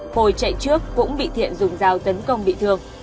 hồi chạy trước cũng bị thiện dùng dao tấn công bị thương